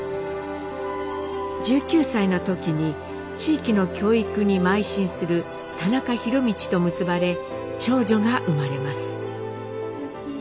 １９歳の時に地域の教育にまい進する田中博通と結ばれ長女が生まれます。